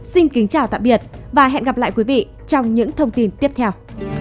xin kính chào tạm biệt và hẹn gặp lại quý vị trong những thông tin tiếp theo